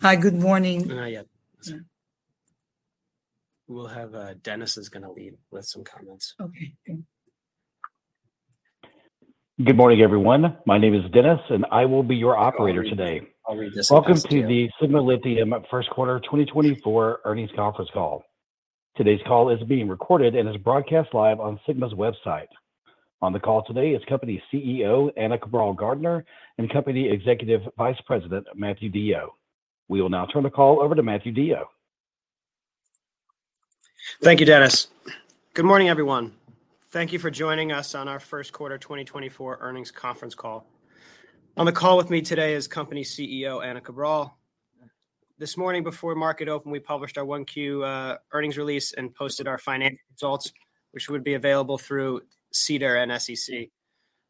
Hi, good morning. Hi, Ana. Yeah. We'll have, Dennis is gonna lead with some comments. Okay, thank you. Good morning, everyone. My name is Dennis, and I will be your operator today. I'll read this- Welcome to the Sigma Lithium First Quarter 2024 Earnings Conference Call. Today's call is being recorded and is broadcast live on Sigma's website. On the call today is Company CEO, Ana Cabral Gardner, and Company Executive Vice President, Matthew DeYoe. We will now turn the call over to Matthew DeYoe. Thank you, Dennis. Good morning, everyone. Thank you for joining us on our first quarter 2024 earnings conference call. On the call with me today is Company CEO, Ana Cabral. This morning, before market open, we published our 1Q earnings release and posted our financial results, which would be available through SEDAR and SEC.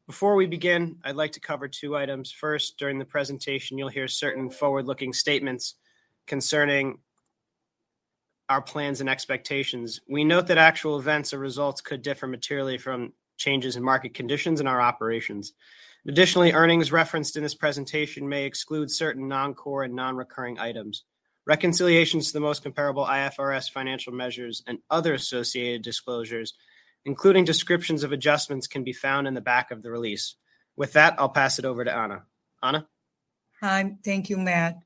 Before we begin, I'd like to cover two items. First, during the presentation, you'll hear certain forward-looking statements concerning our plans and expectations. We note that actual events or results could differ materially from changes in market conditions and our operations. Additionally, earnings referenced in this presentation may exclude certain non-core and non-recurring items. Reconciliations to the most comparable IFRS financial measures and other associated disclosures, including descriptions of adjustments, can be found in the back of the release. With that, I'll pass it over to Ana. Ana? Hi. Thank you, Matt.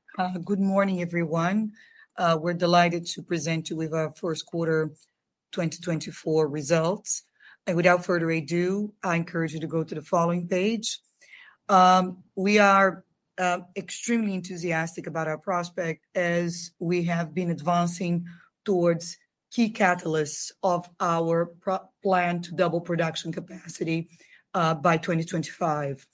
Good morning, everyone. We're delighted to present you with our first quarter 2024 results. Without further ado, I encourage you to go to the following page. We are extremely enthusiastic about our prospect as we have been advancing towards key catalysts of our pro- plan to double production capacity by 2025.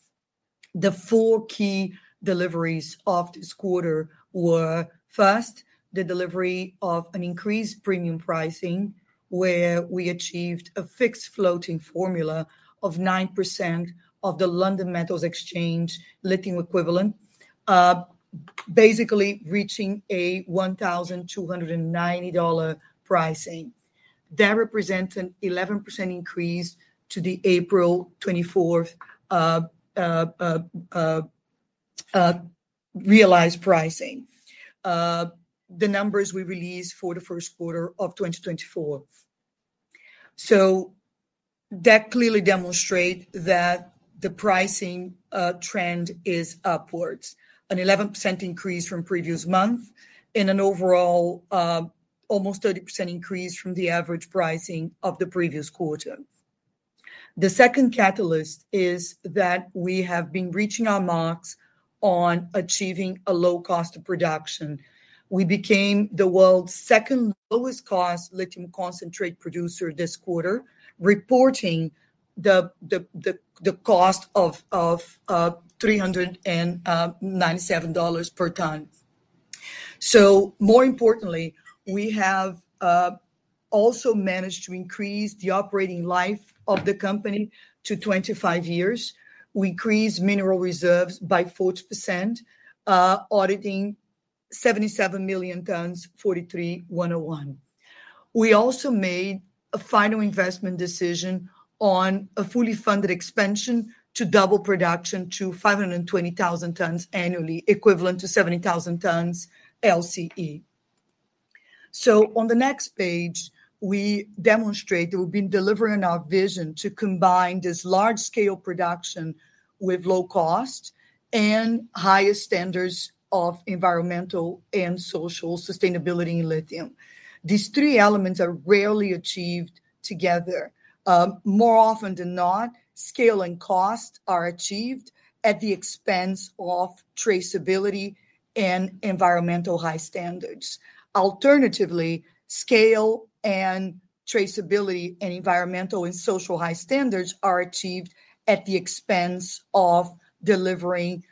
The four key deliveries of this quarter were, first, the delivery of an increased premium pricing, where we achieved a fixed floating formula of 9% of the London Metals Exchange lithium equivalent, basically reaching a $1,290 pricing. That represents an 11% increase to the April 24 realized pricing, the numbers we released for the first quarter of 2024. So that clearly demonstrate that the pricing trend is upwards, an 11% increase from previous month and an overall almost 30% increase from the average pricing of the previous quarter. The second catalyst is that we have been reaching our marks on achieving a low cost of production. We became the world's second lowest cost lithium concentrate producer this quarter, reporting the cost of $397 per ton. So more importantly, we have also managed to increase the operating life of the company to 25 years. We increased mineral reserves by 40%, auditing 77 million tons, 43-101. We also made a final investment decision on a fully funded expansion to double production to 520,000 tons annually, equivalent to 70,000 tons LCE. On the next page, we demonstrate that we've been delivering our vision to combine this large-scale production with low cost and highest standards of environmental and social sustainability in lithium. These three elements are rarely achieved together. More often than not, scale and cost are achieved at the expense of traceability and environmental high standards. Alternatively, scale and traceability and environmental and social high standards are achieved at the expense of delivering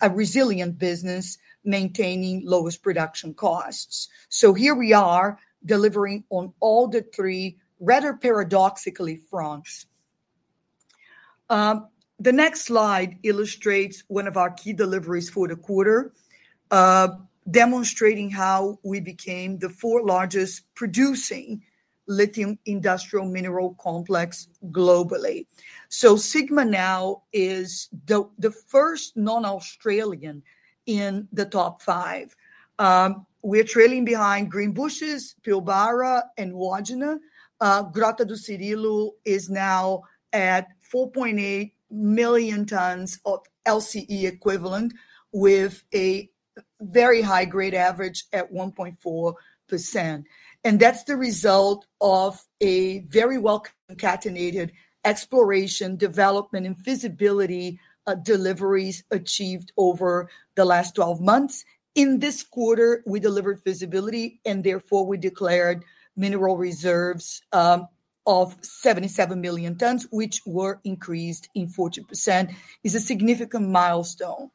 a resilient business, maintaining lowest production costs. Here we are delivering on all the three, rather paradoxically, fronts. The next slide illustrates one of our key deliveries for the quarter, demonstrating how we became the fourth largest producing lithium industrial mineral complex globally. Sigma now is the first non-Australian in the top five. We're trailing behind Greenbushes, Pilbara, and Wodgina. Grota do Cirilo is now at 4.8 million tons of LCE equivalent, with a very high-grade average at 1.4%, and that's the result of a very well-concatenated exploration, development, and feasibility deliveries achieved over the last 12 months. In this quarter, we delivered feasibility, and therefore we declared mineral reserves of 77 million tons, which were increased in 40%. It's a significant milestone.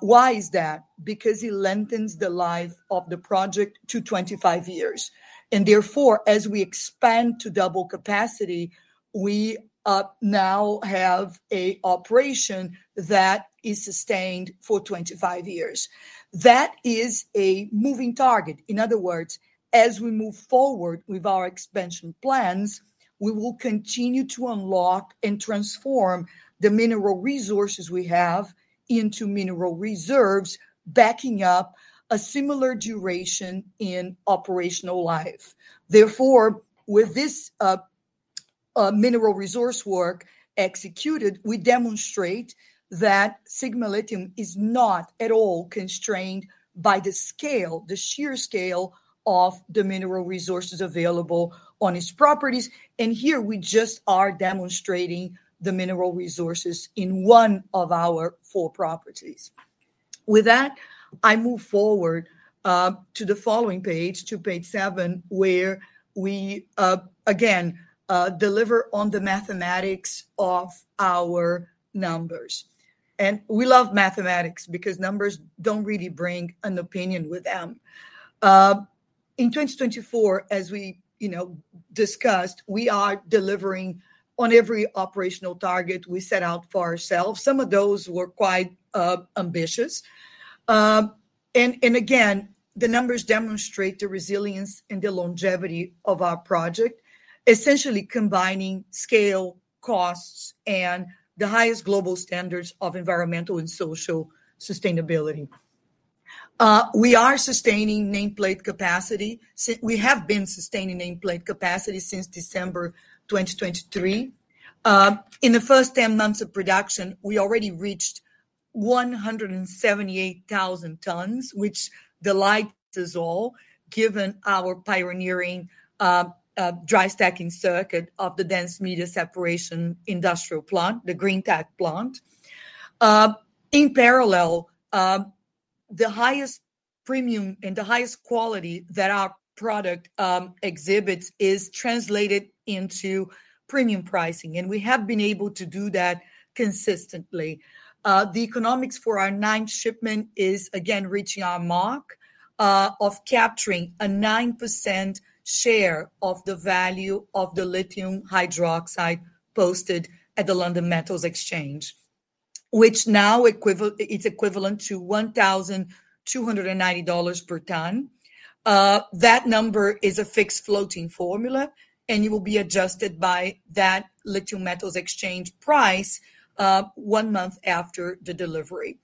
Why is that? Because it lengthens the life of the project to 25 years, and therefore, as we expand to double capacity, we now have an operation that is sustained for 25 years. That is a moving target. In other words, as we move forward with our expansion plans, we will continue to unlock and transform the mineral resources we have into mineral reserves, backing up a similar duration in operational life. Therefore, with this Mineral resource work executed, we demonstrate that Sigma Lithium is not at all constrained by the scale, the sheer scale of the mineral resources available on its properties. Here, we just are demonstrating the mineral resources in one of our four properties. With that, I move forward to the following page, to page 7, where we again deliver on the mathematics of our numbers. We love mathematics because numbers don't really bring an opinion with them. In 2024, as we, you know, discussed, we are delivering on every operational target we set out for ourselves. Some of those were quite ambitious. And again, the numbers demonstrate the resilience and the longevity of our project, essentially combining scale, costs, and the highest global standards of environmental and social sustainability. We are sustaining nameplate capacity. We have been sustaining nameplate capacity since December 2023. In the first 10 months of production, we already reached 178,000 tons, which delights us all, given our pioneering dry stacking circuit of the dense media separation industrial plant, the Greentech plant. In parallel, the highest premium and the highest quality that our product exhibits is translated into premium pricing, and we have been able to do that consistently. The economics for our ninth shipment is again reaching our mark of capturing a 9% share of the value of the lithium hydroxide posted at the London Metals Exchange, which is now it's equivalent to $1,290 per ton. That number is a fixed floating formula, and it will be adjusted by that lithium metals exchange price, one month after the delivery.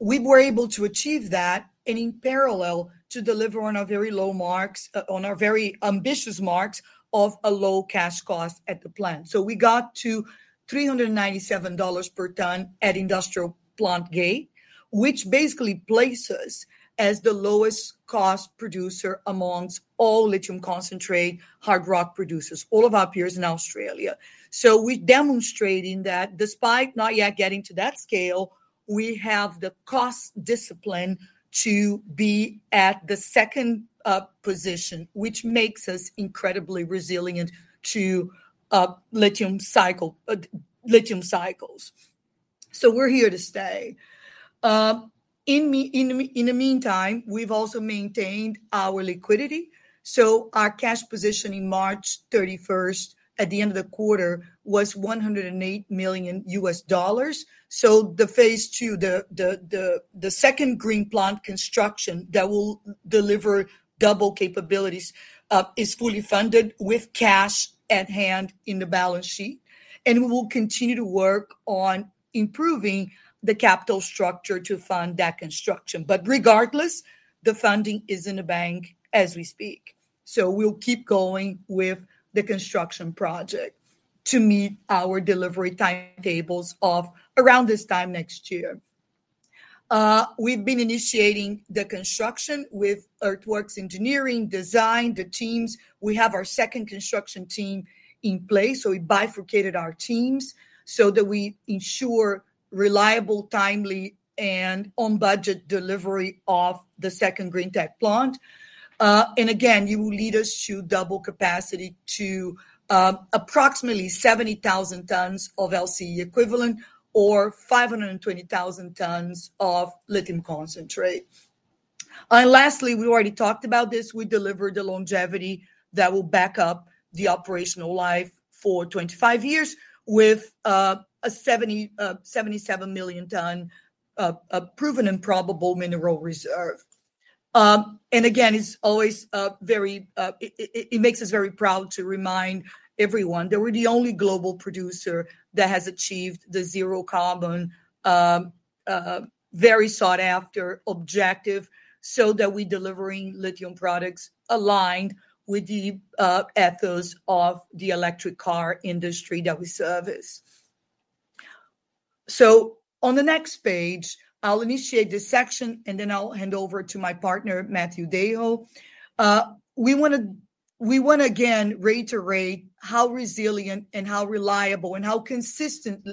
We were able to achieve that and in parallel, to deliver on our very low marks, on our very ambitious marks of a low cash cost at the plant. So we got to $397 per ton at industrial plant gate, which basically places as the lowest cost producer amongst all lithium concentrate hard rock producers, all of our peers in Australia. So we're demonstrating that despite not yet getting to that scale, we have the cost discipline to be at the second, position, which makes us incredibly resilient to, lithium cycles. So we're here to stay. In the meantime, we've also maintained our liquidity, so our cash position on March 31, at the end of the quarter, was $108 million. So phase 2, the second Greentech plant construction that will deliver double capabilities, is fully funded with cash at hand in the balance sheet, and we will continue to work on improving the capital structure to fund that construction. But regardless, the funding is in the bank as we speak, so we'll keep going with the construction project to meet our delivery timetables of around this time next year. We've been initiating the construction with earthworks engineering, design, the teams. We have our second construction team in place, so we bifurcated our teams so that we ensure reliable, timely, and on-budget delivery of the second GreenTech plant. And again, it will lead us to double capacity to approximately 70,000 tons of LCE equivalent or 520,000 tons of lithium concentrate. And lastly, we already talked about this: we delivered the longevity that will back up the operational life for 25 years with a 77 million ton proven and probable mineral reserve. And again, it's always very-- it makes us very proud to remind everyone that we're the only global producer that has achieved the zero carbon very sought-after objective, so that we're delivering lithium products aligned with the ethos of the electric car industry that we service. So on the next page, I'll initiate this section, and then I'll hand over to my partner, Matthew DeYoe. We wanna again reiterate how resilient and how reliable and how consistent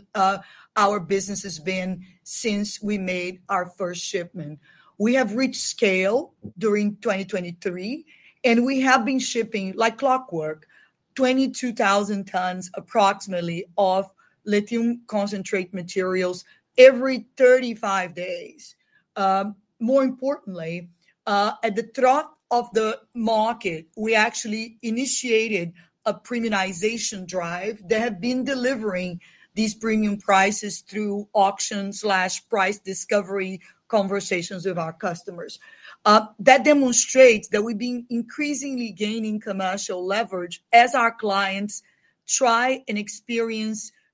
our business has been since we made our first shipment. We have reached scale during 2023, and we have been shipping, like clockwork, 22,000 tons, approximately, of lithium concentrate materials every 35 days. More importantly, at the trough of the market, we actually initiated a premiumization drive that have been delivering these premium prices through auction/price discovery conversations with our customers. That demonstrates that we've been increasingly gaining commercial leverage as our clients try, and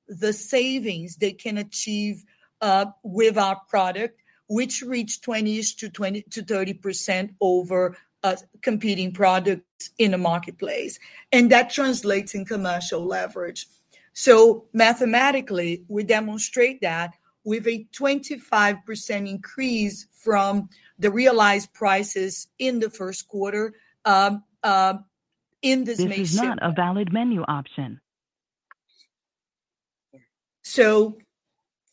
experience the savings they can achieve with our product, which reached 20%-30% over competing products in the marketplace. And that translates in commercial leverage. Mathematically, we demonstrate that with a 25% increase from the realized prices in the first quarter, in this May ship. So,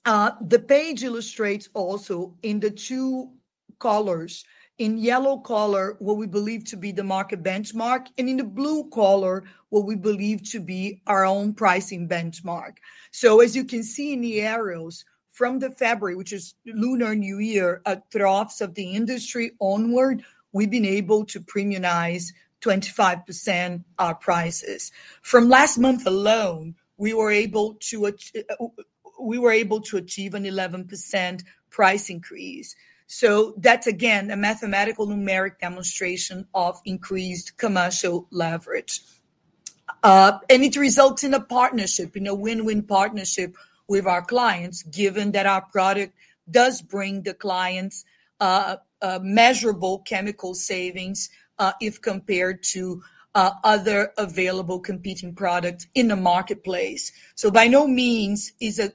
the page illustrates also in the two colors, in yellow color, what we believe to be the market benchmark, and in the blue color, what we believe to be our own pricing benchmark. So as you can see in the arrows from the February, which is Lunar New Year, at troughs of the industry onward, we've been able to premiumize 25% our prices. From last month alone, we were able to achieve an 11% price increase. So that's again, a mathematical numeric demonstration of increased commercial leverage. And it results in a partnership, in a win-win partnership with our clients, given that our product does bring the clients, a measurable chemical savings, if compared to, other available competing products in the marketplace. So by no means is a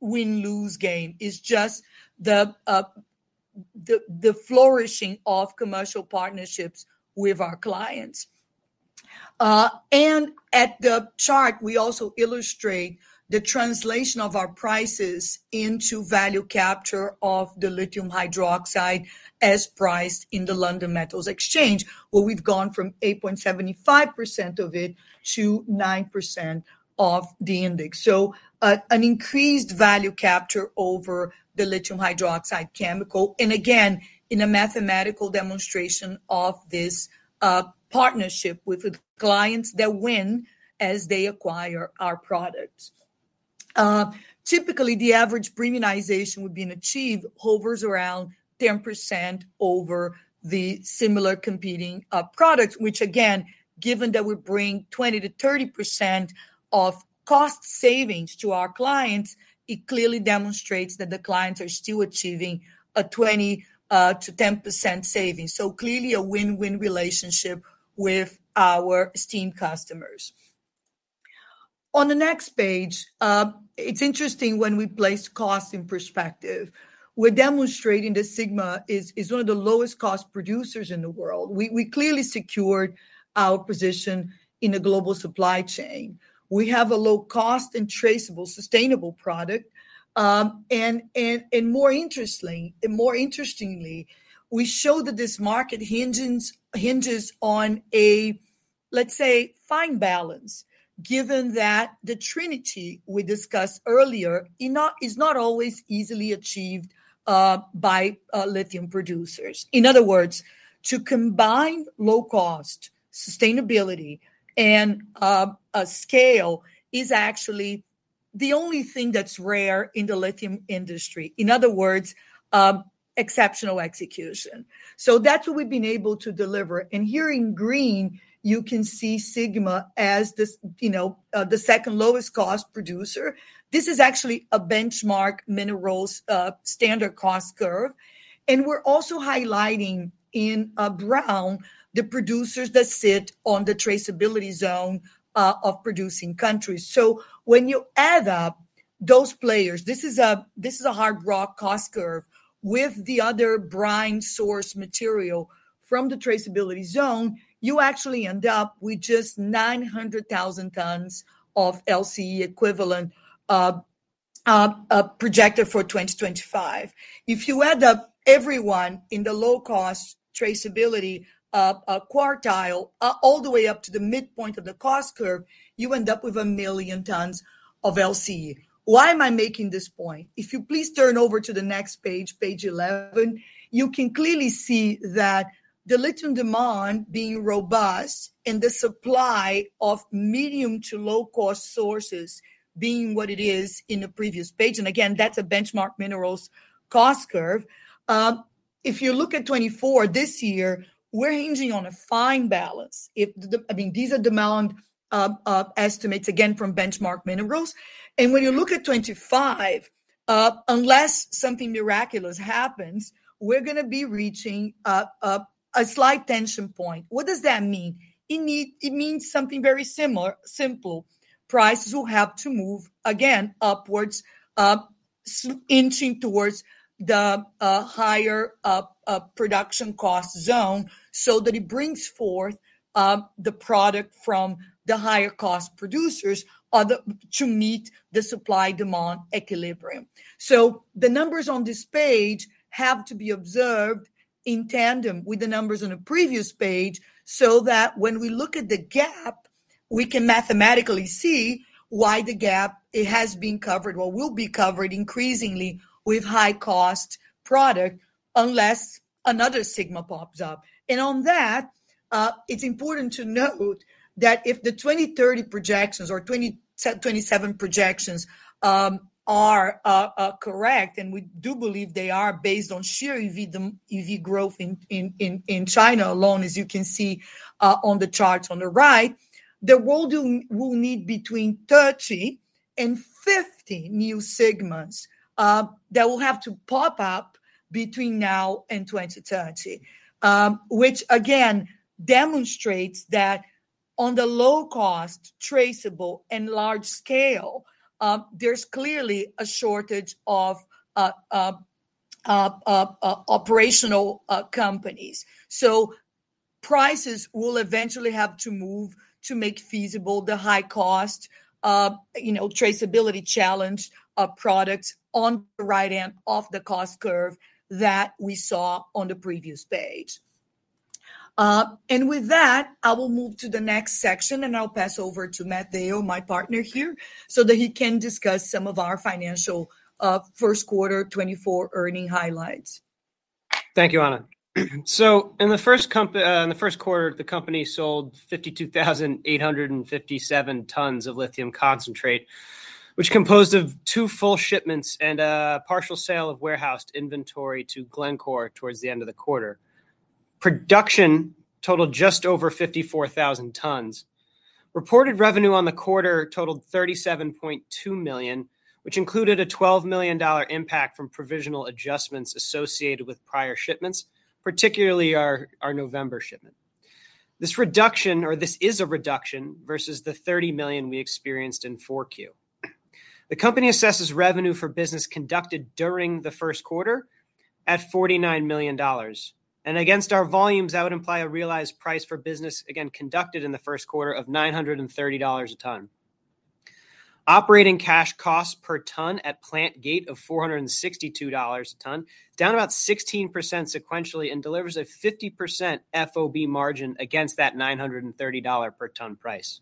win-lose game. It's just the flourishing of commercial partnerships with our clients. And at the chart, we also illustrate the translation of our prices into value capture of the lithium hydroxide as priced in the London Metals Exchange, where we've gone from 8.75% of it to 9% of the index. So, an increased value capture over the lithium hydroxide chemical, and again, in a mathematical demonstration of this, partnership with the clients that win as they acquire our product. Typically, the average premiumization we've been achieved hovers around 10% over the similar competing products, which again, given that we bring 20%-30% of cost savings to our clients, it clearly demonstrates that the clients are still achieving a 20%-10% savings. So clearly a win-win relationship with our esteemed customers. On the next page, it's interesting when we place cost in perspective. We're demonstrating that Sigma is one of the lowest cost producers in the world. We clearly secured our position in the global supply chain. We have a low-cost and traceable, sustainable product. And more interestingly, we show that this market hinges on a, let's say, fine balance, given that the trinity we discussed earlier, is not always easily achieved by lithium producers. In other words, to combine low cost, sustainability, and a scale is actually the only thing that's rare in the lithium industry. In other words, exceptional execution. So that's what we've been able to deliver. And here in green, you can see Sigma as this, you know, the second lowest cost producer. This is actually a benchmark minerals standard cost curve, and we're also highlighting in brown the producers that sit on the traceability zone of producing countries. So when you add up those players, this is a hard rock cost curve with the other brine source material from the traceability zone, you actually end up with just 900,000 tons of LCE equivalent projected for 2025. If you add up everyone in the low-cost traceability quartile all the way up to the midpoint of the cost curve, you end up with 1,000,000 tons of LCE. Why am I making this point? If you please turn over to the next page, page 11, you can clearly see that the lithium demand being robust and the supply of medium to low-cost sources being what it is in the previous page, and again, that's a Benchmark Minerals cost curve. If you look at 2024, this year, we're hinging on a fine balance. I mean, these are demand estimates, again, from Benchmark Minerals. And when you look at 2025, unless something miraculous happens, we're gonna be reaching a slight tension point. What does that mean? It means something very similar, simple. Prices will have to move again, upwards, inching towards the higher production cost zone, so that it brings forth the product from the higher cost producers to meet the supply/demand equilibrium. So the numbers on this page have to be observed in tandem with the numbers on a previous page, so that when we look at the gap, we can mathematically see why the gap, it has been covered or will be covered increasingly with high cost product, unless another Sigma pops up. And on that, it's important to note that if the 2030 projections or 2027 projections are correct, and we do believe they are based on sheer EV them, EV growth in China alone, as you can see on the charts on the right, the world will need between 30 and 50 new segments that will have to pop up between now and 2030. Which again demonstrates that on the low cost, traceable, and large scale, there's clearly a shortage of operational companies. So prices will eventually have to move to make feasible the high cost, you know, traceability challenge of products on the right end of the cost curve that we saw on the previous page. With that, I will move to the next section, and I'll pass over to Matteo, my partner here, so that he can discuss some of our financial first quarter 2024 earnings highlights. Thank you, Ana. So in the first quarter, the company sold 52,857 tons of lithium concentrate, which composed of two full shipments and a partial sale of warehoused inventory to Glencore towards the end of the quarter. Production totaled just over 54,000 tons. Reported revenue on the quarter totaled $37.2 million, which included a $12 million impact from provisional adjustments associated with prior shipments, particularly our November shipment. This reduction, or this is a reduction versus the $30 million we experienced in 4Q. The company assesses revenue for business conducted during the first quarter at $49 million, and against our volumes, that would imply a realized price for business, again, conducted in the first quarter of $930 a ton. Operating cash costs per ton at plant gate of $462 a ton, down about 16% sequentially and delivers a 50% FOB margin against that $930 per ton price.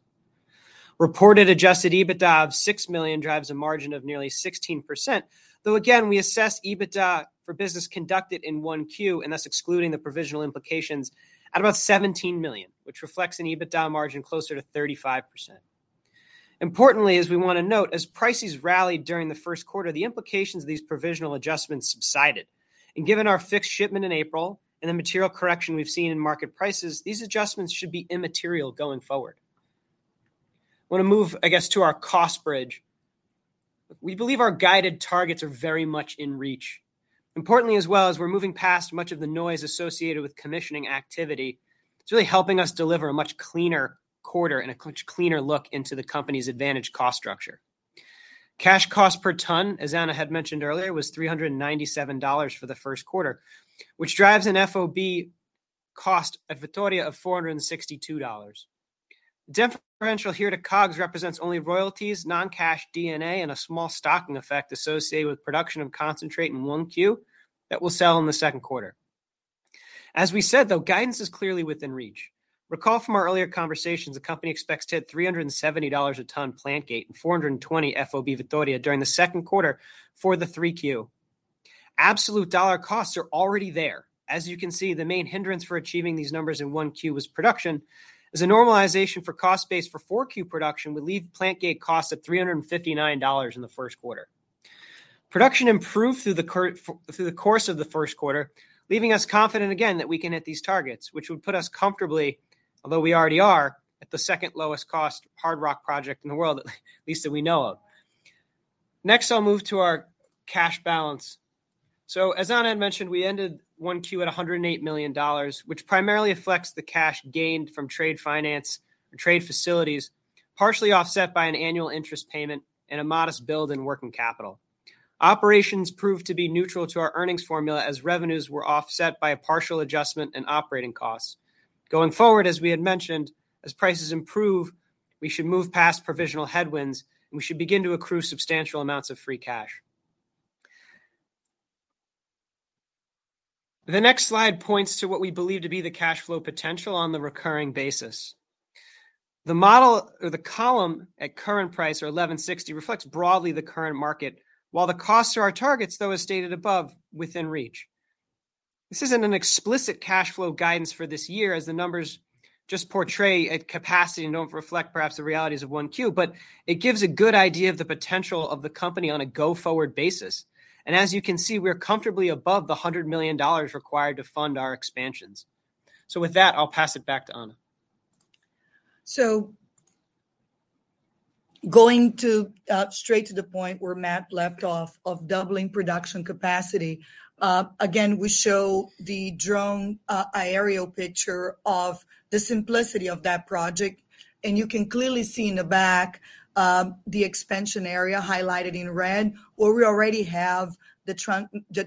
Reported adjusted EBITDA of $6 million drives a margin of nearly 16%, though again, we assess EBITDA for business conducted in 1Q, and thus excluding the provisional implications at about $17 million, which reflects an EBITDA margin closer to 35%. Importantly, as we want to note, as prices rallied during the first quarter, the implications of these provisional adjustments subsided. And given our fixed shipment in April and the material correction we've seen in market prices, these adjustments should be immaterial going forward. I want to move, I guess, to our cost bridge. We believe our guided targets are very much in reach. Importantly, as well as we're moving past much of the noise associated with commissioning activity, it's really helping us deliver a much cleaner quarter and a much cleaner look into the company's advantaged cost structure. Cash cost per ton, as Ana had mentioned earlier, was $397 for the first quarter, which drives an FOB cost at Vitória of $462. Differential here to COGS represents only royalties, non-cash D&A, and a small stocking effect associated with production of concentrate in 1Q that will sell in the second quarter. As we said, though, guidance is clearly within reach. Recall from our earlier conversations, the company expects to hit $370 a ton plant gate and $420 FOB Vitória during the second quarter for the 3Q. Absolute dollar costs are already there. As you can see, the main hindrance for achieving these numbers in 1Q was production, as a normalization for cost base for 4Q production would leave plant gate costs at $359 in the first quarter. Production improved through the course of the first quarter, leaving us confident again that we can hit these targets, which would put us comfortably, although we already are, at the second-lowest cost hard rock project in the world, at least that we know of. Next, I'll move to our cash balance. So as Ana had mentioned, we ended 1Q at $108 million, which primarily reflects the cash gained from trade finance or trade facilities, partially offset by an annual interest payment and a modest build in working capital. Operations proved to be neutral to our earnings formula as revenues were offset by a partial adjustment in operating costs. Going forward, as we had mentioned, as prices improve, we should move past provisional headwinds, and we should begin to accrue substantial amounts of free cash. The next slide points to what we believe to be the cash flow potential on the recurring basis. The model or the column at current price or $11.60 reflects broadly the current market, while the costs to our targets, though, as stated above, within reach. This isn't an explicit cash flow guidance for this year, as the numbers just portray at capacity and don't reflect perhaps the realities of 1Q, but it gives a good idea of the potential of the company on a go-forward basis. As you can see, we're comfortably above the $100 million required to fund our expansions. With that, I'll pass it back to Ana. So going straight to the point where Matt left off of doubling production capacity, again, we show the drone aerial picture of the simplicity of that project, and you can clearly see in the back the expansion area highlighted in red, where we already have the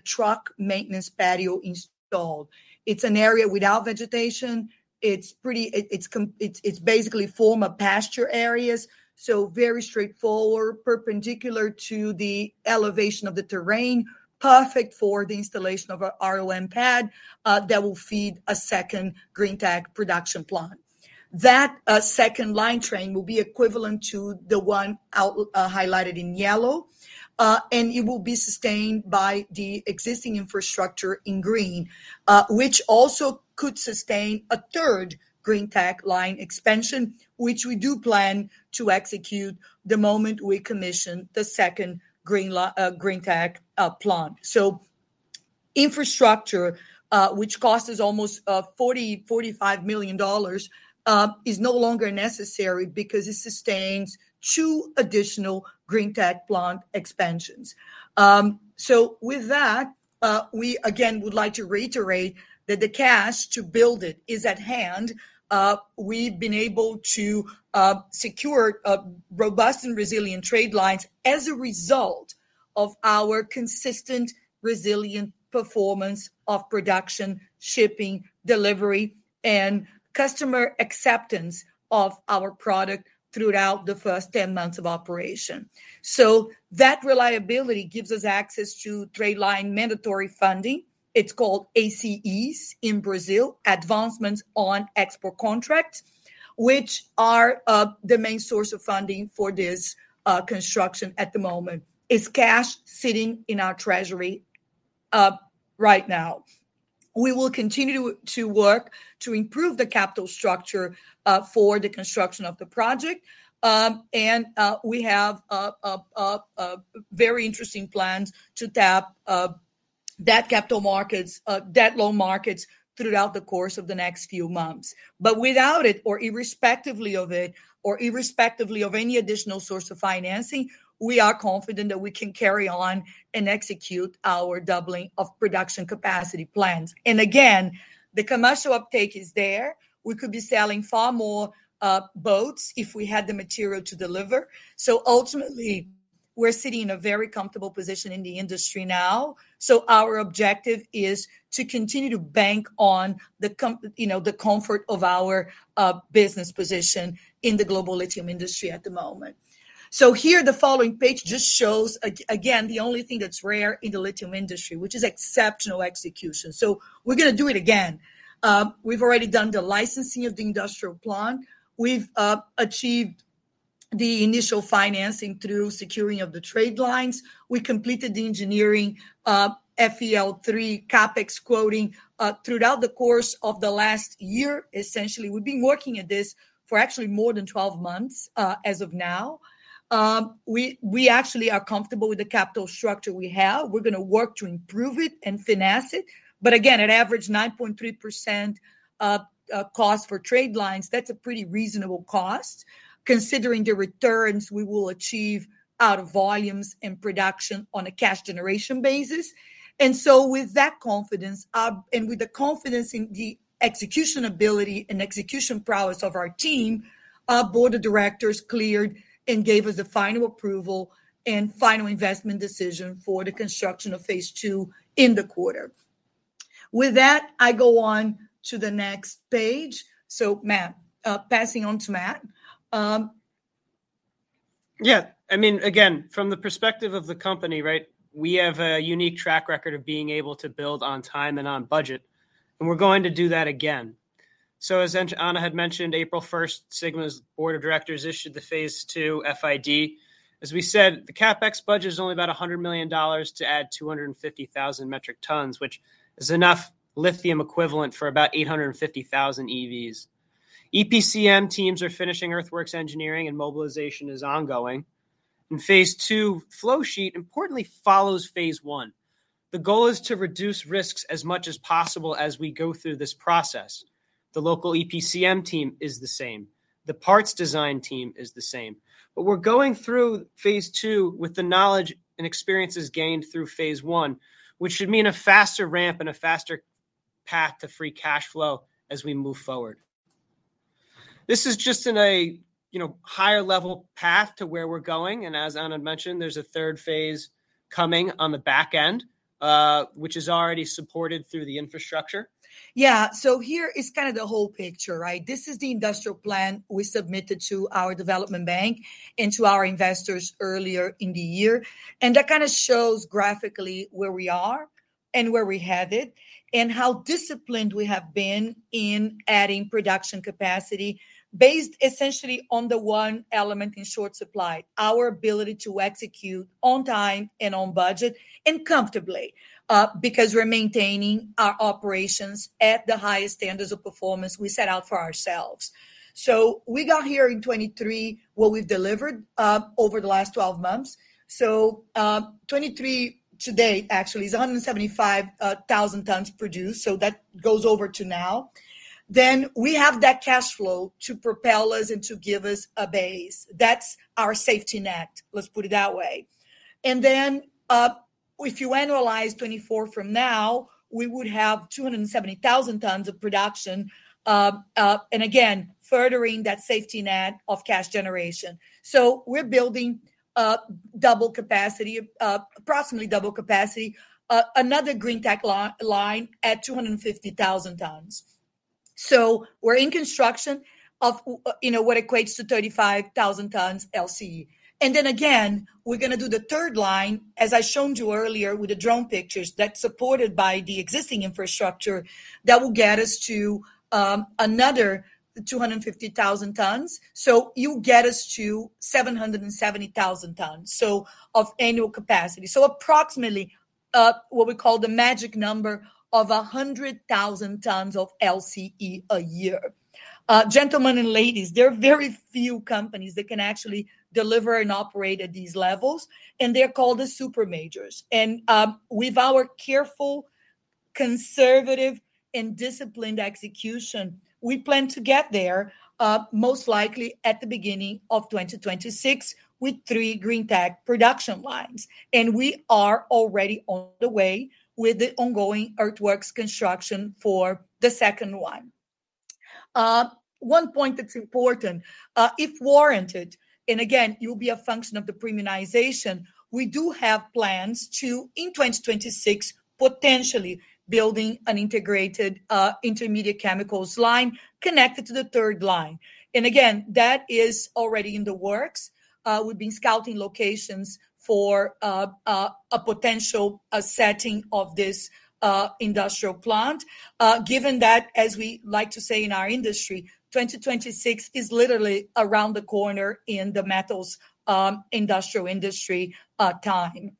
truck maintenance patio installed. It's an area without vegetation. It's pretty--it's basically former pasture areas, so very straightforward, perpendicular to the elevation of the terrain, perfect for the installation of a ROM pad that will feed a second Greentech production plant. That second line train will be equivalent to the one out, highlighted in yellow, and it will be sustained by the existing infrastructure in green, which also could sustain a third Greentech line expansion, which we do plan to execute the moment we commission the second Greentech plant. Infrastructure, which costs us almost $40 million-$45 million, is no longer necessary because it sustains two additional Greentech plant expansions. So with that, we again would like to reiterate that the cash to build it is at hand. We've been able to secure robust and resilient trade lines as a result of our consistent, resilient performance of production, shipping, delivery, and customer acceptance of our product throughout the first 10 months of operation. So that reliability gives us access to trade line mandatory funding. It's called ACEs in Brazil, Advancements on Export Contracts, which are the main source of funding for this construction at the moment. It's cash sitting in our treasury right now. We will continue to work to improve the capital structure for the construction of the project. We have a very interesting plans to tap debt capital markets, debt loan markets throughout the course of the next few months. But without it, or irrespectively of it, or irrespectively of any additional source of financing, we are confident that we can carry on and execute our doubling of production capacity plans. Again, the commercial uptake is there. We could be selling far more boats if we had the material to deliver. Ultimately, we're sitting in a very comfortable position in the industry now. So our objective is to continue to bank on the, you know, comfort of our business position in the global lithium industry at the moment. So here, the following page just shows again the only thing that's rare in the lithium industry, which is exceptional execution. So we're gonna do it again. We've already done the licensing of the industrial plant. We've achieved the initial financing through securing of the trade lines. We completed the engineering, FEL3 CapEx quoting, throughout the course of the last year, essentially. We've been working at this for actually more than 12 months, as of now. We actually are comfortable with the capital structure we have. We're gonna work to improve it and finesse it, but again, at average, 9.3% cost for trade lines, that's a pretty reasonable cost, considering the returns we will achieve out of volumes and production on a cash generation basis. And so with that confidence, and with the confidence in the execution ability and execution prowess of our team, our board of directors cleared and gave us the final approval and final investment decision for the construction of phase two in the quarter. With that, I go on to the next page. So Matt, passing on to Matt. Yeah, I mean, again, from the perspective of the company, right? We have a unique track record of being able to build on time and on budget, and we're going to do that again. So as Ana had mentioned, April first, Sigma's board of directors issued the phase two FID. As we said, the CapEx budget is only about $100 million to add 250,000 metric tons, which is enough lithium equivalent for about 850,000 EVs. EPCM teams are finishing earthworks engineering and mobilization is ongoing, and phase 2 flow sheet importantly follows phase one. The goal is to reduce risks as much as possible as we go through this process. The local EPCM team is the same. The parts design team is the same. We're going through phase 2 with the knowledge and experiences gained through phase one, which should mean a faster ramp and a faster path to free cash flow as we move forward. This is just in a, you know, higher level path to where we're going, and as Ana had mentioned, there's a third phase coming on the back end, which is already supported through the infrastructure. Yeah. So here is kind of the whole picture, right? This is the industrial plan we submitted to our development bank and to our investors earlier in the year, and that kinda shows graphically where we are and where we have it, and how disciplined we have been in adding production capacity, based essentially on the one element in short supply, our ability to execute on time and on budget, and comfortably. Because we're maintaining our operations at the highest standards of performance we set out for ourselves. So we got here in 2023, what we've delivered, over the last 12 months. So, 2023 today actually is 175,000 tons produced, so that goes over to now. Then we have that cash flow to propel us and to give us a base. That's our safety net, let's put it that way. And then, if you annualize 24 from now, we would have 270,000 tons of production, and again, furthering that safety net of cash generation. So we're building double capacity, approximately double capacity, another Greentech line at 250,000 tons. So we're in construction of, you know, what equates to 35,000 tons LCE. And then again, we're gonna do the third line, as I've shown you earlier with the drone pictures, that's supported by the existing infrastructure, that will get us to another 250,000 tons. So you get us to 770,000 tons, so of annual capacity. So approximately, what we call the magic number of 100,000 tons of LCE a year. Gentlemen and ladies, there are very few companies that can actually deliver and operate at these levels, and they're called the super majors. With our conservative and disciplined execution, we plan to get there, most likely at the beginning of 2026, with three Greentech production lines. We are already on the way with the ongoing earthworks construction for the second one. One point that's important, if warranted, and again, it will be a function of the premiumization, we do have plans to, in 2026, potentially building an integrated intermediate chemicals line connected to the third line. Again, that is already in the works. We've been scouting locations for a potential setting of this industrial plant. Given that, as we like to say in our industry, 2026 is literally around the corner in the metals industrial industry time.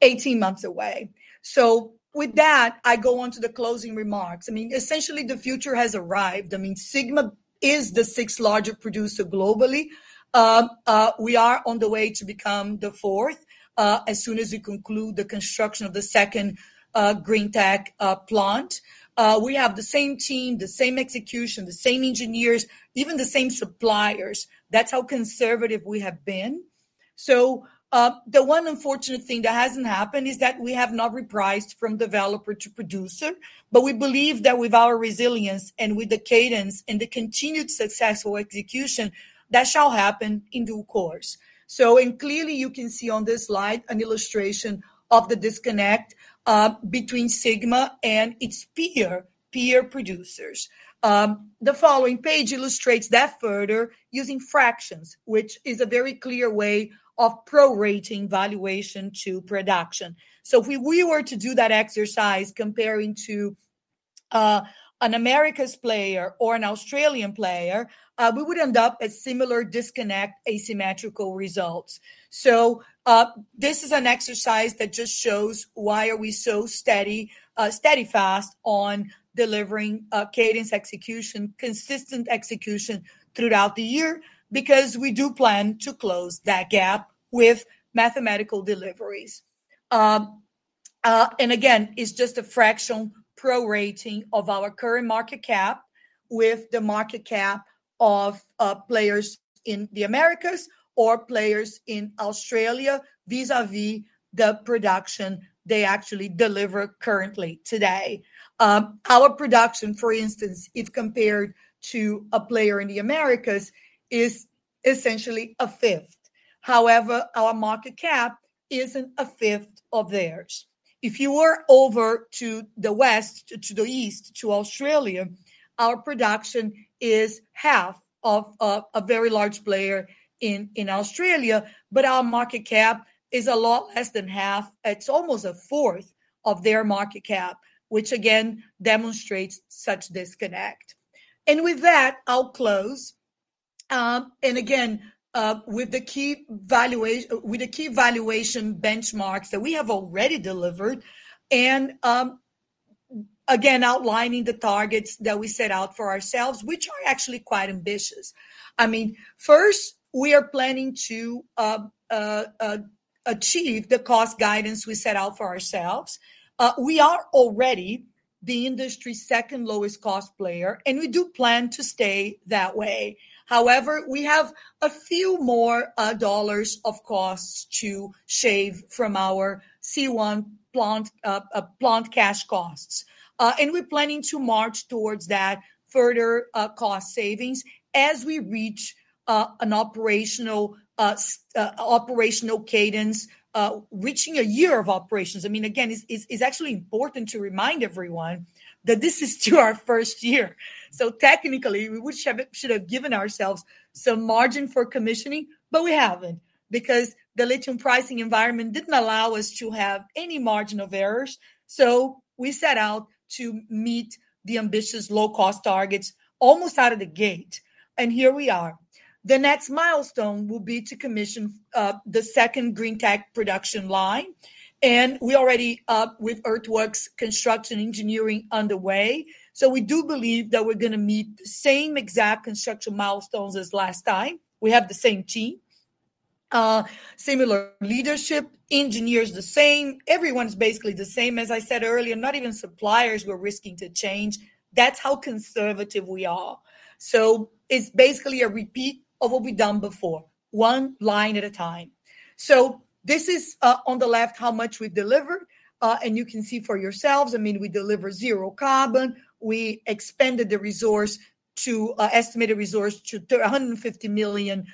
18 months away. So with that, I go on to the closing remarks. I mean, essentially, the future has arrived. I mean, Sigma is the sixth largest producer globally. We are on the way to become the fourth, as soon as we conclude the construction of the second, Greentech plant. We have the same team, the same execution, the same engineers, even the same suppliers. That's how conservative we have been. So, the one unfortunate thing that hasn't happened is that we have not repriced from developer to producer, but we believe that with our resilience and with the cadence and the continued successful execution, that shall happen in due course. And clearly, you can see on this slide an illustration of the disconnect between Sigma and its peer producers. The following page illustrates that further using fractions, which is a very clear way of pro-rating valuation to production. So if we were to do that exercise comparing to an Americas player or an Australian player, we would end up a similar disconnect, asymmetrical results. So this is an exercise that just shows why are we so steady steadfast on delivering a cadence execution, consistent execution throughout the year, because we do plan to close that gap with mathematical deliveries. And again, it's just a fractional pro-rating of our current market cap with the market cap of players in the Americas or players in Australia, vis-a-vis the production they actually deliver currently today. Our production, for instance, if compared to a player in the Americas, is essentially a fifth. However, our market cap isn't a fifth of theirs. If you were over to the west, to the east, to Australia, our production is half of a very large player in Australia, but our market cap is a lot less than half. It's almost a fourth of their market cap, which again, demonstrates such disconnect. And with that, I'll close. And again, with the key valuation, with the key valuation benchmarks that we have already delivered, and again, outlining the targets that we set out for ourselves, which are actually quite ambitious. I mean, first, we are planning to achieve the cost guidance we set out for ourselves. We are already the industry's second-lowest cost player, and we do plan to stay that way. However, we have a few more dollars of costs to shave from our C1 plant, plant cash costs. And we're planning to march towards that further cost savings as we reach an operational cadence, reaching a year of operations. I mean, again, it's actually important to remind everyone that this is to our first year. So technically, we should have given ourselves some margin for commissioning, but we haven't, because the lithium pricing environment didn't allow us to have any margin of errors. So we set out to meet the ambitious low-cost targets almost out of the gate, and here we are. The next milestone will be to commission the second Greentech production line, and we're already up with earthworks construction engineering underway. So we do believe that we're gonna meet the same exact construction milestones as last time. We have the same team, similar leadership, engineers the same. Everyone's basically the same as I said earlier, not even suppliers we're risking to change. That's how conservative we are. So it's basically a repeat of what we've done before, one line at a time. So this is on the left, how much we delivered, and you can see for yourselves, I mean, we deliver zero carbon. We expanded the resource to estimated resource to 150 million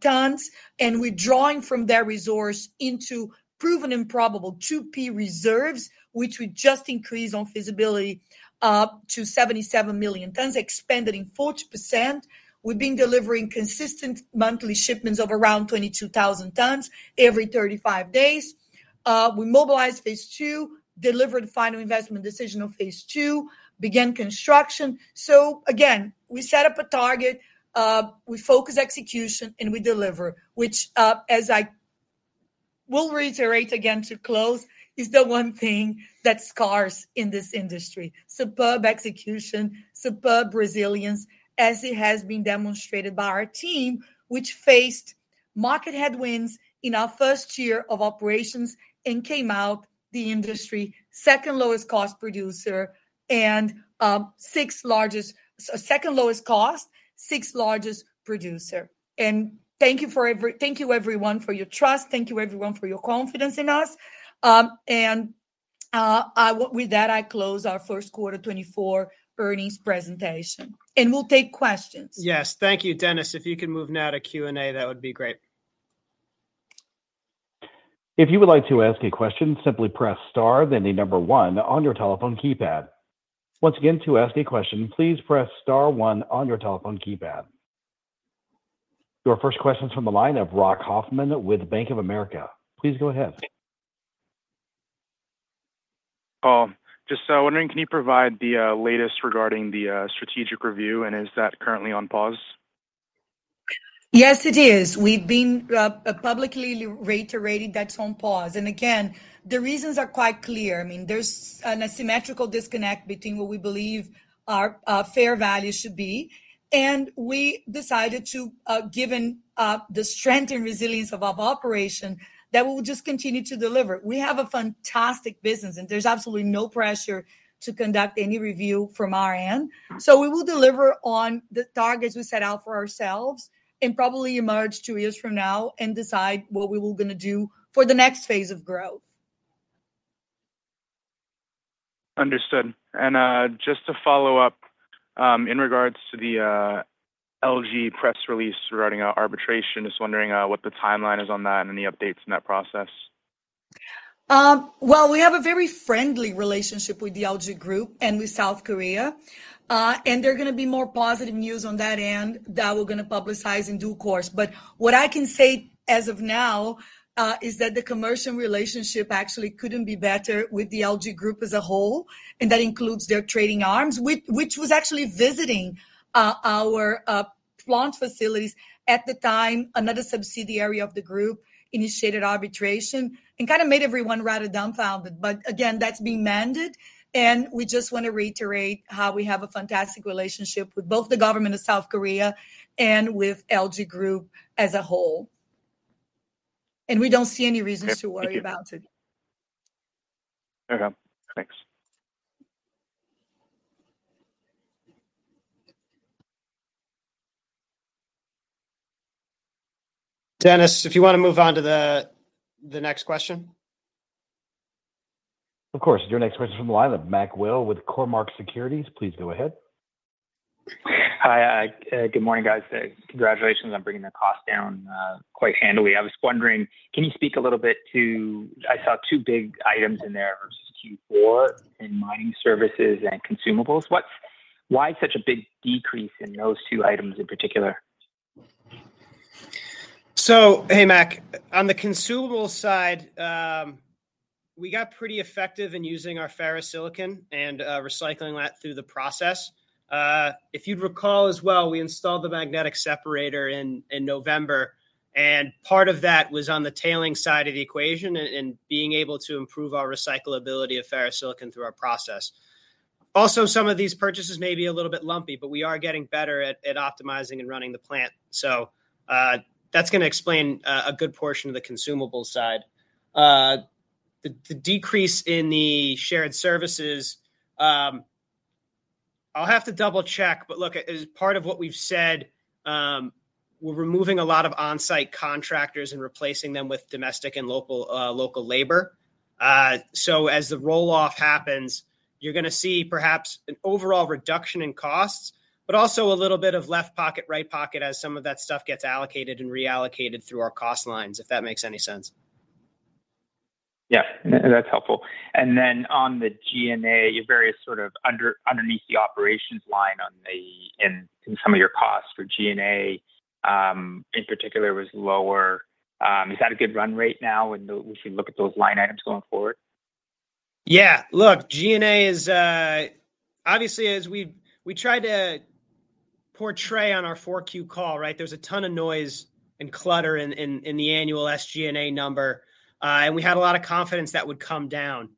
tons, and we're drawing from that resource into proven and probable 2P reserves, which we just increased on feasibility to 77 million tons, expanding 40%. We've been delivering consistent monthly shipments of around 22,000 tons every 35 days. We mobilized phase two, delivered the final investment decision of phase 2, began construction. So again, we set up a target, we focus execution and we deliver, which, as I will reiterate again to close, is the one thing that's scarce in this industry: superb execution, superb resilience, as it has been demonstrated by our team, which faced market headwinds in our first year of operations and came out the industry second lowest cost producer and, sixth largest-- second lowest cost, sixth largest producer. Thank you everyone for your trust, thank you everyone for your confidence in us. With that, I close our first quarter 2024 earnings presentation, and we'll take questions. Yes, thank you. Dennis, if you can move now to Q&A, that would be great. If you would like to ask a question, simply press star, then the number one on your telephone keypad. Once again, to ask a question, please press star one on your telephone keypad. Your first question is from the line of Rock Hoffman with Bank of America. Please go ahead. Just so wondering, can you provide the latest regarding the strategic review, and is that currently on pause? Yes, it is. We've been publicly reiterated that's on pause, and again, the reasons are quite clear. I mean, there's an asymmetrical disconnect between what we believe our fair value should be, and we decided to given the strength and resilience of our operation, that we'll just continue to deliver. We have a fantastic business, and there's absolutely no pressure to conduct any review from our end. So we will deliver on the targets we set out for ourselves and probably emerge two years from now and decide what we were gonna do for the next phase of growth. Understood. Just to follow up, in regards to the LG press release regarding our arbitration, just wondering what the timeline is on that and any updates in that process? Well, we have a very friendly relationship with the LG Group and with South Korea. And there are gonna be more positive news on that end that we're gonna publicize in due course. But what I can say as of now is that the commercial relationship actually couldn't be better with the LG Group as a whole, and that includes their trading arms, which was actually visiting our plant facilities at the time. Another subsidiary of the group initiated arbitration, and kind of made everyone rather dumbfounded. But again, that's been mended, and we just want to reiterate how we have a fantastic relationship with both the government of South Korea and with LG Group as a whole. And we don't see any reasons to worry about it. Okay, thanks. Dennis, if you want to move on to the next question. Of course. Your next question is from the line of Mac Whale with Cormark Securities. Please go ahead. Hi, good morning, guys. Congratulations on bringing the cost down quite handily. I was wondering, can you speak a little bit to-- I saw two big items in there versus Q4 in mining services and consumables. What- Why such a big decrease in those two items in particular? So, hey, Mac. On the consumable side, we got pretty effective in using our ferrosilicon and recycling that through the process. If you'd recall as well, we installed the magnetic separator in November, and part of that was on the tailing side of the equation and being able to improve our recyclability of ferrosilicon through our process. Also, some of these purchases may be a little bit lumpy, but we are getting better at optimizing and running the plant. So, that's going to explain a good portion of the consumable side. The decrease in the shared services, I'll have to double-check, but look, as part of what we've said, we're removing a lot of on-site contractors and replacing them with domestic and local labor. So as the roll-off happens, you're gonna see perhaps an overall reduction in costs, but also a little bit of left pocket, right pocket, as some of that stuff gets allocated and reallocated through our cost lines, if that makes any sense. Yeah, that's helpful. And then on the G&A, your various sort of underneath the operations line on the, in some of your costs for G&A, in particular, was lower. Is that a good run rate now when we should look at those line items going forward? Yeah, look, G&A is. Obviously, as we tried to portray on our four-Q call, right? There's a ton of noise and clutter in the annual SG&A number, and we had a lot of confidence that would come down.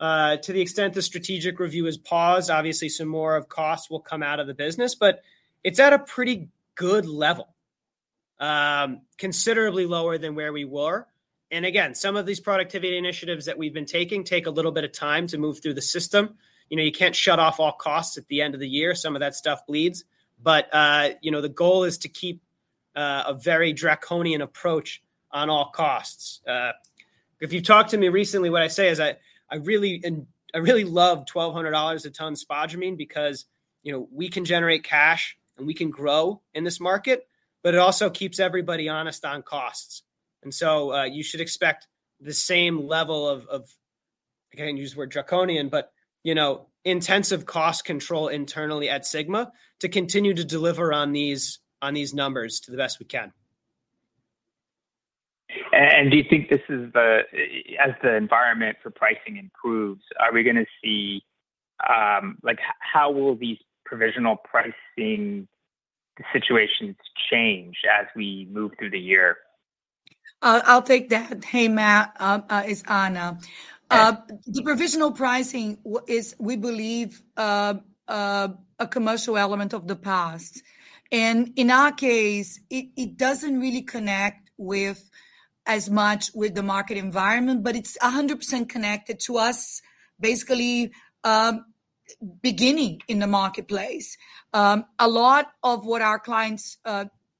To the extent the strategic review is paused, obviously, some more of costs will come out of the business, but it's at a pretty good level, considerably lower than where we were. And again, some of these productivity initiatives that we've been taking take a little bit of time to move through the system. You know, you can't shut off all costs at the end of the year, some of that stuff bleeds. But, you know, the goal is to keep a very draconian approach on all costs. If you talked to me recently, what I say is I really love $1,200 a ton spodumene because, you know, we can generate cash, and we can grow in this market, but it also keeps everybody honest on costs. And so, you should expect the same level of, I can't use the word draconian, but, you know, intensive cost control internally at Sigma to continue to deliver on these numbers to the best we can. Do you think this is the--as the environment for pricing improves, are we gonna see, like, how will these provisional pricing situations change as we move through the year? I'll take that. Hey, Matt, it's Ana. The provisional pricing is, we believe, a commercial element of the past, and in our case, it doesn't really connect with, as much with the market environment, but it's 100% connected to us, basically, beginning in the marketplace. A lot of what our clients'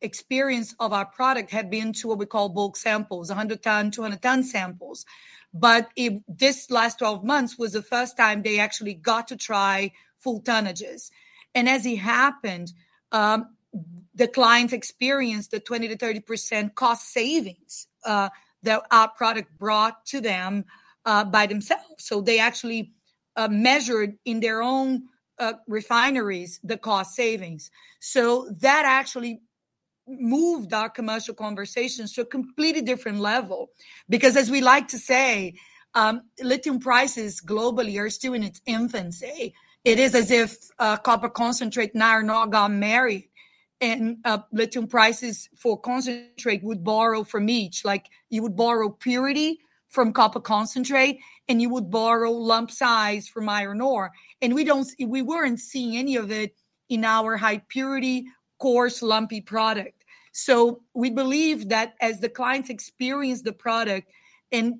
experience of our product had been to what we call bulk samples, 100-ton, 200-ton samples. But this last 12 months was the first time they actually got to try full tonnages, and as it happened, the clients experienced a 20%-30% cost savings that our product brought to them, by themselves. So they actually measured in their own refineries, the cost savings. So that actually moved our commercial conversations to a completely different level, because as we like to say, lithium prices globally are still in its infancy. It is as if copper concentrate and iron ore got married, and lithium prices for concentrate would borrow from each. Like, you would borrow purity from copper concentrate, and you would borrow lump size from iron ore, and we weren't seeing any of it in our high-purity, coarse, lumpy product. So we believe that as the clients experience the product and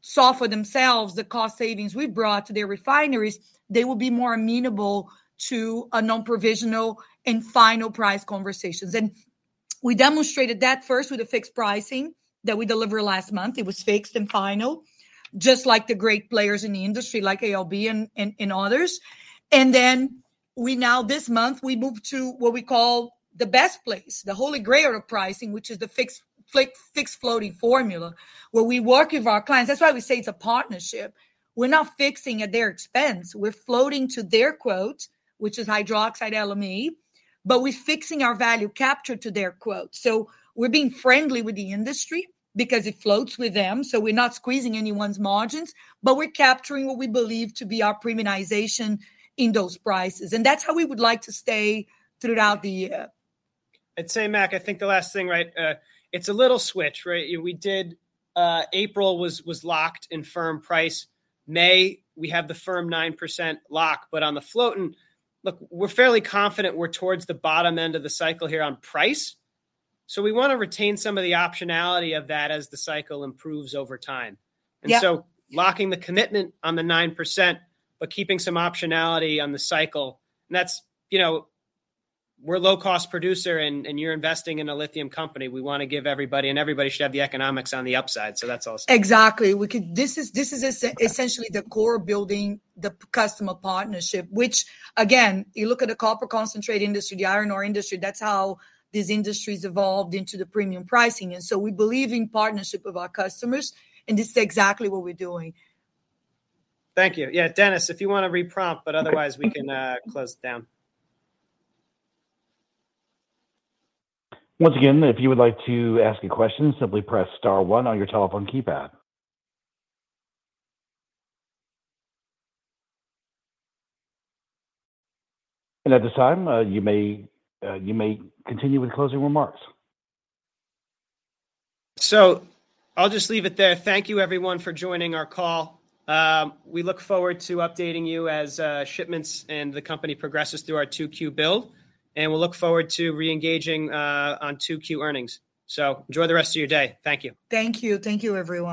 saw for themselves the cost savings we brought to their refineries, they will be more amenable to a non-provisional and final price conversations. We demonstrated that first with the fixed pricing that we delivered last month. It was fixed and final, just like the great players in the industry, like ALB and others. And then we now, this month, we moved to what we call the best place, the holy grail of pricing, which is the fixed floating formula, where we work with our clients. That's why we say it's a partnership. We're not fixing at their expense. We're floating to their quote, which is hydroxide LME, but we're fixing our value capture to their quote. So we're being friendly with the industry because it floats with them, so we're not squeezing anyone's margins, but we're capturing what we believe to be our premiumization in those prices. And that's how we would like to stay throughout the year. I'd say, Mac, I think the last thing, right, it's a little switch, right? We did April was locked in firm price. May, we have the firm 9% lock, but on the floating--look, we're fairly confident we're towards the bottom end of the cycle here on price, so we wanna retain some of the optionality of that as the cycle improves over time. Yeah. And so locking the commitment on the 9%, but keeping some optionality on the cycle, and that's, you know, we're a low-cost producer, and, and you're investing in a lithium company. We wanna give everybody, and everybody should have the economics on the upside, so that's all. Exactly. This is essentially the core building, the customer partnership, which again, you look at the copper concentrate industry, the iron ore industry, that's how these industries evolved into the premium pricing. And so we believe in partnership with our customers, and this is exactly what we're doing. Thank you. Yeah, Dennis, if you wanna reprompt, but otherwise, we can close down. Once again, if you would like to ask a question, simply press star one on your telephone keypad. At this time, you may continue with closing remarks. I'll just leave it there. Thank you, everyone, for joining our call. We look forward to updating you as shipments and the company progresses through our 2Q build, and we'll look forward to re-engaging on 2Q earnings. Enjoy the rest of your day. Thank you. Thank you. Thank you, everyone.